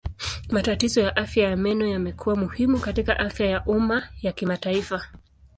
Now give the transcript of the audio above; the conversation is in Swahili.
Matatizo ya afya ya meno yamekuwa muhimu katika afya ya umma ya kimataifa.